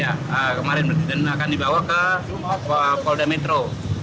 iya kemarin berarti dan akan dibawa ke mapolda metro